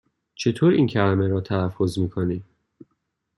چطور این کلمه را تلفظ می کنی؟